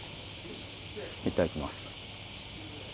いただきます。